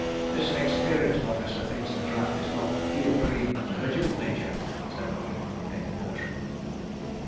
"This experienced officer thinks the draft is not the pure cream of the regiment, Major," said Murray, indicating Bertram.